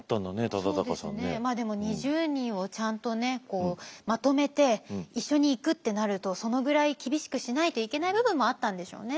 まあでも２０人をちゃんとねまとめて一緒に行くってなるとそのぐらい厳しくしないといけない部分もあったんでしょうね。